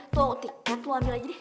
tuh tiket lo ambil aja deh